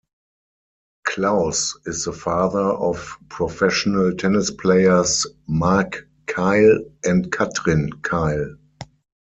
Klaus is the father of professional tennis players Mark Keil and Kathrin Keil.